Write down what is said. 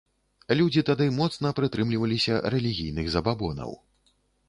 Людзі тады моцна прытрымліваліся рэлігійных забабонаў.